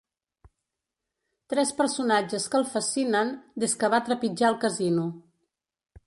Tres personatges que el fascinen des que va trepitjar el casino.